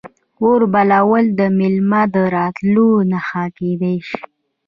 اور بلول د میلمه د راتلو نښه کیدی شي.